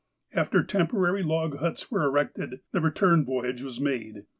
After temporary log huts were erected, the return voyage was made.